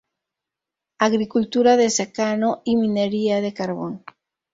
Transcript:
Agricultura de secano y minería de carbón.